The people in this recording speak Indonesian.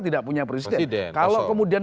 tidak punya presiden kalau kemudian